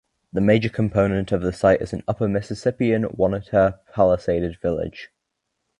The major component of the site is an Upper Mississippian Oneota palisaded village.